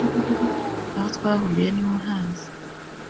Aho twahuriye niwe uhazi